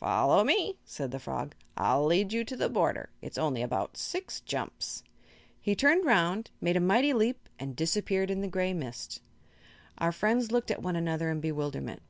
"Follow me," said the frog. "I'll lead you to the border. It's only about six jumps." He turned around, made a mighty leap and disappeared in the gray mist. Our friends looked at one another in bewilderment.